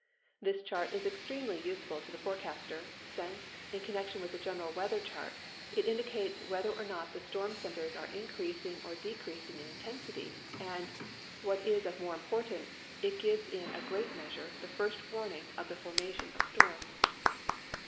This chart is extremely useful to the forecaster, since, in connection with the general weather chart, it indicates whether or not the storm centers are increasing or decreasing in intensity, and, what is of more importance, it gives in a great measure the first warning of the formation of storms.